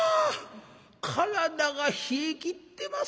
体が冷えきってます